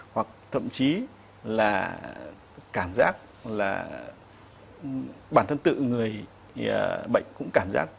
hoặc thậm chí là cảm giác là bản thân tự người bệnh cũng cảm giác